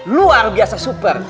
luar biasa super